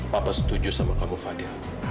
papa setuju sama kamu fadil